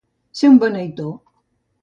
Ser un beneitó.